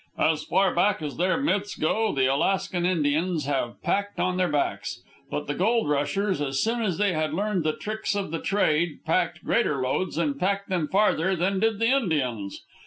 As far back as their myths go, the Alaskan Indians have packed on their backs. But the gold rushers, as soon as they had learned the tricks of the trade, packed greater loads and packed them farther than did the Indians.